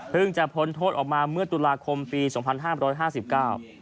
จะพ้นโทษออกมาเมื่อตุลาคมปีสองพันห้ามร้อยห้าสิบเก้า